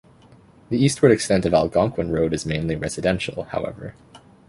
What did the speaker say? The eastward extent of Algonquin Road is mainly residential, however.